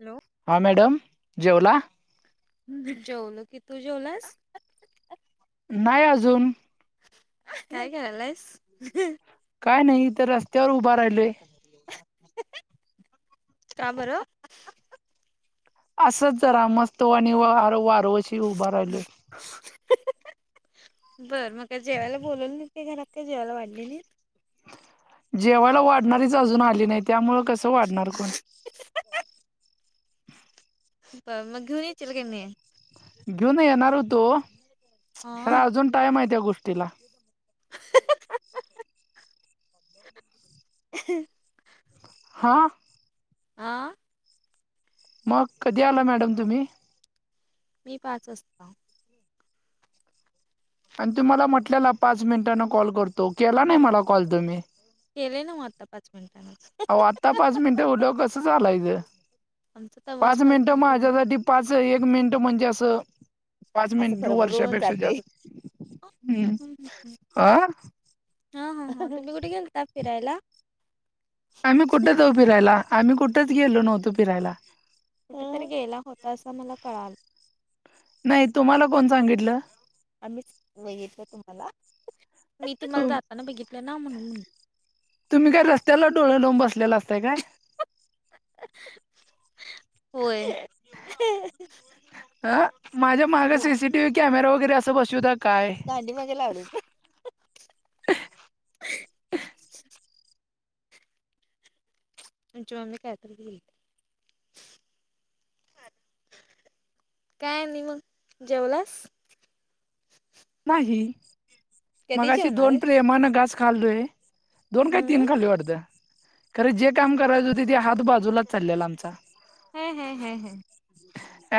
Hello हा madam. जेवला? हम्. जेवलो की, तू जेवलास? नाही अजून. काय करालायस? ह. काय नाही. इथं रस्त्यावर उभा राहिलोय. का बर? असंच जरा मस्त वार-वर्वशी उभा राहिलोय बर. मग काय जेवायला बोलवलं नाही? घरात काय जेवायला वाढले नाहीत? जेवायला वाढणारीच अजून आली नाही, त्यामुळ कसं वाढणार कोण. बर, मग घेऊन येशील की नाही. घेऊन येणार होतो हा खर अजून टाइम आहे त्या गोष्टीला. हा हा हा. [unintelligible] हां आ? मग कधी आला मॅडम तुम्ही? मी पाच वाजता. आणि तुम्हाला म्हटल्याला पाच मिनिटांने कॉल करतो, केला नाही मला कॉल तुम्ही? केलंय नव्ह आता पाच मिनटांन. अहो आत्ता पाच मिनिटं हुल्यावर कसं चालायचं. आमचा तवाच पाच मिनिटं मिनिट होत माझ्यासाठी पाच एक मिनटं म्हणजे असं पाच असं मिनिट भरभरून वर्षापेक्षा जाते जास्त. हम. आ? हा हा. तुम्ही कुठ गेलता फिरायला? आम्ही कुठे जाऊ फिरायला? आम्ही कुठच गेलो नव्हतो फिरायला. कुठे तर गेला होतासा मला कळालं. नाही. तुम्हाला कोण सांगितलं? आम्हीच बघितलं तुम्हाला. मी तुम्हाला तुम- जाताना बघितलं ना म्हणून म्हटलं. तुम्ही काय रस्त्याला डोळे लावून बसलेला अस ताय काय होय हा माझ्या माग सीसीटीव्ही कॅमेरा वगैरे असं बसूत्या का काय दांडीमदे लावलोय तुमची मम्मी काय तर घेईल काय आणि मग जेवलास नाही कधी मगाशी जेवणार दोन आहे? प्रेमान घास खाल्लोय दोन काय हम्म तीन खाल्ले वाटतं खर जे काय काम करायच होत ते हात बाजूला चाललेला आमचा हम हम हम हम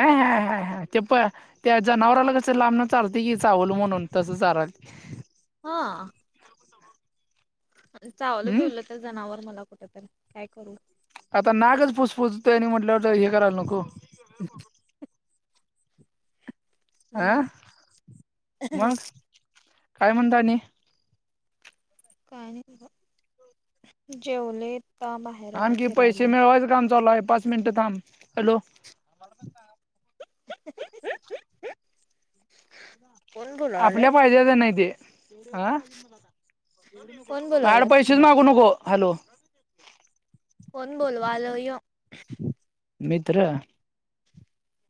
अ ह ह हा ते प त्या जनावराला कसं लांबणं चारतय की चावल म्हणून तसं चारालती हा चावलं हम्म बिवलं तर जनावर मला कुठतरी काय करू आता नागच प पुसफोसतोय आणि म्हटल्यावर जरा हे करायला नको [unintelligible] हा मग मग काय म्हणता आणि काय नाही बघा जेवले आता बाहेर आलो आमचे पैसे फिरायला. मिळवायचं काम चालूय पाच मिनिटं थांब हॅलो ह - ह - ह आपल्य फायद्याचं नाही ते हा कोण बोलवायलात माझ्याकडे पैसेच म्हणलं मागू नको हॅलो कोण बोलवालय मित्र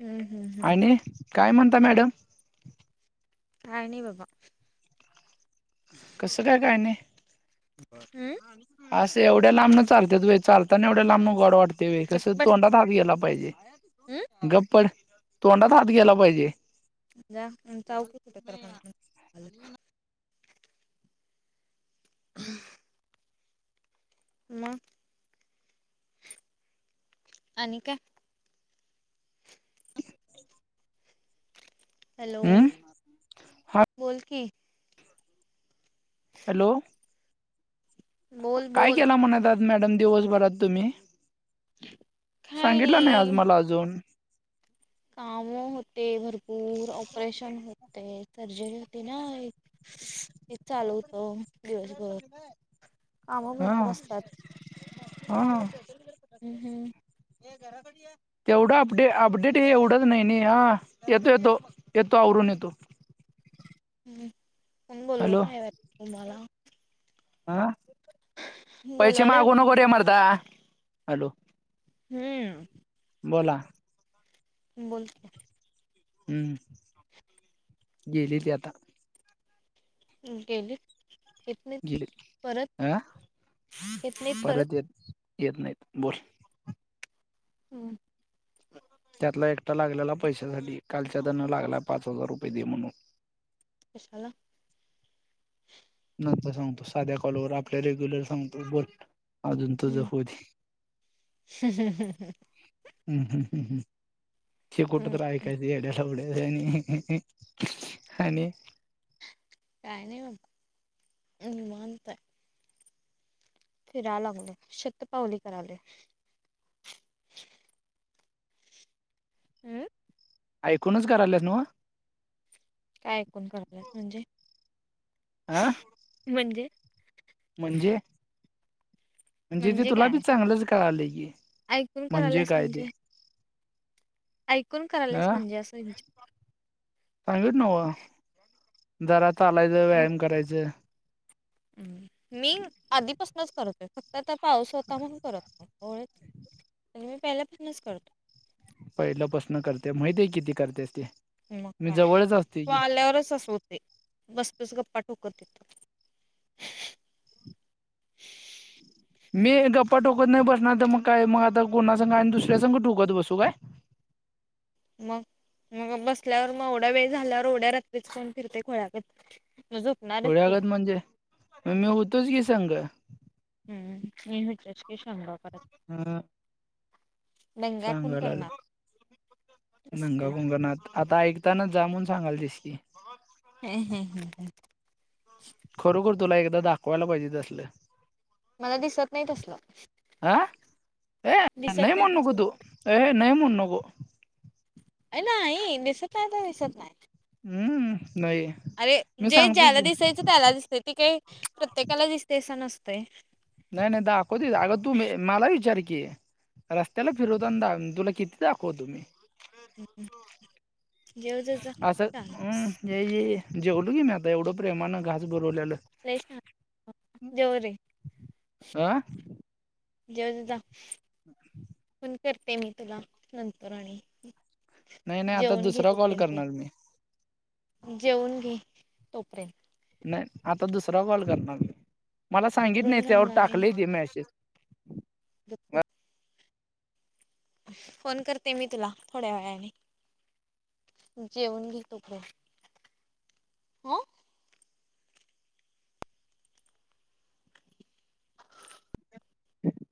हम् हम् आणि काय म्हणता मॅडम काय नाही बाबा हम् कस काय काय नाही बर हम्म असं एवढ्या लांबन चालत्यात व्हय चालताना एवढ्या लांबन गॉड वाटतय व्हय कसं तोंडाला [inaudible] गेला पाहिजे हम गप्प पड तोंडात हात गेला पाहिजे जा [inaudible] हम मग आणि काय हॅलो हम्म हा बोल की हॅलो बोल काय बोल केला म्हणायच आज मॅडम दिवसभरात तुम्ही काय सांगितलं नाही आज मला अजून काम होते भरपूर ऑपरेशन होते सर्जरी होती ना एक हे चालू होत दिवसभर काम हा भरपूर असतात हा हम् हम् हे घराकडे तेवढां अपडे अपडेट हे एवढंच नाहीं नाहीं हां येतो येतो येतो आवरूंन येतो हम्मं कोणं हॅलो बोलवतं आहे तुम्हांला हं पैसे बोलवायला मागूं नको वाटतं रे मारतां हॅलो हम्मं बोलां बोलं की हम्मं [unintelligible] गेली ते आंता गेली इतनी गेली अ परंत इतनीच परंत येतं नाहीत बोलं हां त्यांतला एकटां लागलेला पैशांसाठी कांलच्या देना लागलां पांच हजांर रुपये दे म्हणूंन कश्या लां नं सांगतो सांध्या कॉलवर आपल्या रेग्युलर सांगतो बंट अजूंन तरचं हम्म होतं हम्मं हम्मं हम्मं हमं शे मग कुंठत यकांय्यालावढ हंम हंम आणि कायं नाहीं मं मांतया फिरांयला लागले शेतपावली कराले हम्मं ऐकूंनच करां ल्यांस नं व कायं ऐकूंन करतेस म्हणजे आंह म्हणजे म्हणजे म्हणजे ते तुंला बी चांगलंच कळांले की ऐकूंन करायलांस काय ते म्हणजे ऐकूंन करायलांस म्हणजे असंच सांगित नांव जरां थांबा यचं व्यायाम करायचं मी आधीपासूंनच करतो आहे फक्तं आंता पाऊस होतां म्हणूंन करतं नाहीं आणि मी पहिल्यापासून चं करतो पहिल्यांपासन करतें माहितय किती करतेस ते मंग मी कांय जवळच असते तुं की आल्यावरच असं होते बस्तंच गप्पां ठोकत येतो मी गप्पां टोकत नाहीं बसणारं तरं मंग कायं मंग आंता कोणां संघ आणि दुसऱ्यां संघ ठोकत बसूं कायं. मंग मंग बसल्यांवर मंग एवढां वेळं झाल्यांवर एवढ्यां रात्रीच कोणं फिरते खोळ्यांकत अजूंन खोड्यागत म्हणजे मं मी होतोच की संग हम्मं हम्मं मनं उच्च शेष शेखावत हां दंगा कोण सांगल करणार अस नंगा की कुंगनाथ आंता ऐक त्यांला जामूंन सांगालते दिसते हम्मं हम्मं हं खरोखर तुंला एकदाचं दाखवांयला पाहिजे तसलं. मलां दिसतं नाहीं तसलं हा ए दिसतं नाही नाहीं म्हणू नको कसं तू ए नाही म्हणू नको. [unintelligible] हम्म नाही अरे मी जे सांगतो ज्याला की दिसायच त्याला दिसते. ते काही प्रत्येकाला दिसते अस नसत. नाही नाही दाखवते. अग तू मी मला विचार की. रस्त्याला फिरवतांन दा तुला किती दाखवतो मी. [inaudible] जेव जा जा अस चाळीस हम्म, ये ये ये जेवलो की मी आता एवढ प्रेमान घास भरवलेल. अ [unintelligible] जेवते जा. [inaudible] फोन करते मी तुला नंतर आणि नाही नाही आता जेवुण घे दुसरा कॉल तोपर्यंत. करणार मी जेवुण घे तोपर्यंत. नाही आता दुसरा कॉल करणार मी. मला सांगित अंथरुण नाही त्यावर घालणार आहे टाकले ते मॅसेज. [unintelligible] फोन करते मी तुला थोड्या वेळाने. जेवुण घे तु पण. ह